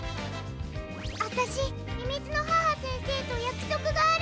あたしみみずの母先生とやくそくがあるの。